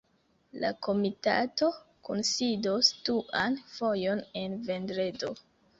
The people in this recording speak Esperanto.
La komitato kunsidos duan fojon en vendredo.